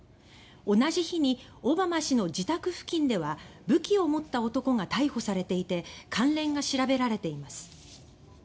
同じ日にオバマ氏の自宅付近では武器を持った男が逮捕されていて関連が調べられています。